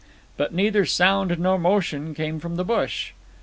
But neither sound nor motion came from the bush.